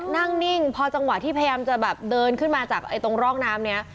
นิ่งพอจังหวะที่พยายามจะแบบเดินขึ้นมาจากตรงร่องน้ำนี้